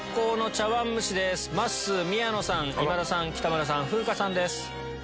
まっすー宮野さん今田さん北村さん風花さんです。